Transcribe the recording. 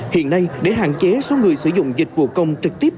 hiện nay để hạn chế số người sử dụng dịch vụ công trực tiếp